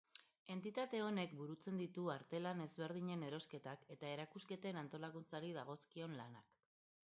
Entitate honek burutzen ditu artelan ezberdinen erosketak eta erakusketen antolakuntzari dagozkion lanak.